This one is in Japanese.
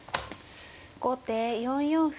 後手４四歩。